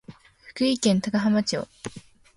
福井県高浜町